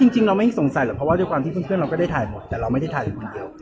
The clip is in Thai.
จริงเราไม่สงสัยหรอกเพราะว่าด้วยความที่เพื่อนเราก็ได้ถ่ายหมดแต่เราไม่ได้ถ่ายคนเดียว